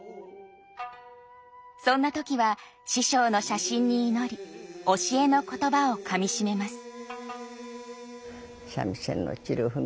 そんな時は師匠の写真に祈り教えの言葉をかみしめます。